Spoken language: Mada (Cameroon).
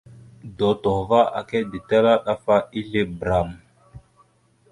Dotohəva aka ditala ɗaf a ezle bəram.